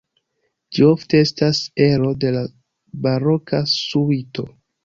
Ĝi ofte estas ero de la baroka suito.